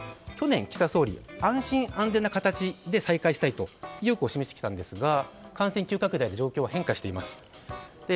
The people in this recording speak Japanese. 去年、岸田総理は安全・安心な形で再開したいと意欲を示してきたんですが感染急拡大で状況は変化しています。